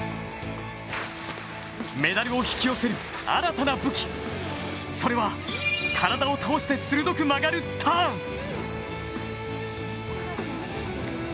メダルを引き寄せる新たな武器、それは、体を倒して鋭く曲がるターン。